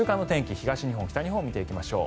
北日本、東日本見ていきましょう。